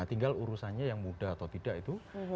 tinggal urusannya yang muda atau tidak itu